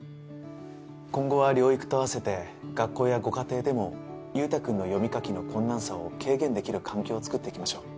今後は療育と併せて学校やご家庭でも優太くんの読み書きの困難さを軽減できる環境を作っていきましょう。